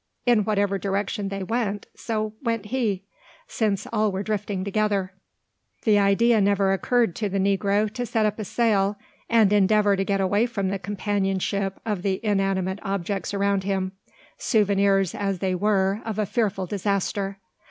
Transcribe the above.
In whatever direction they went, so went he: since all were drifting together. The idea had never occurred to the negro to set up a sail and endeavour to get away from the companionship of the inanimate objects around him, souvenirs as they were of a fearful disaster.